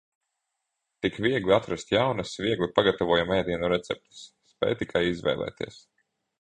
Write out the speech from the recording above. Tik viegli atrast jaunas, viegli pagtavojamu ēdienu receptes. Spēj tikai izvēlēties!